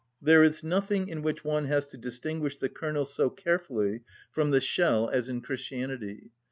There is nothing in which one has to distinguish the kernel so carefully from the shell as in Christianity.